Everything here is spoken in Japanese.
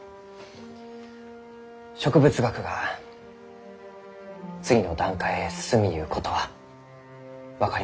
植物学が次の段階へ進みゆうことは分かりました。